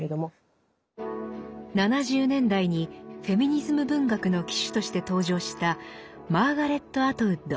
７０年代にフェミニズム文学の旗手として登場したマーガレット・アトウッド。